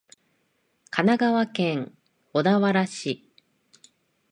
神奈川県小田原市